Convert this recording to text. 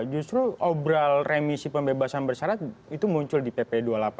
justru obral remisi pembebasan bersyarat itu muncul di pp dua puluh delapan